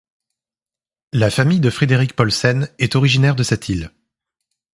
La famille de Frederik Paulsen est originaire de cette île.